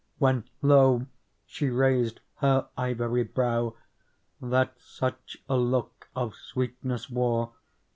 When lo ! she raised her ivory brow. That such a look of sweetness wore.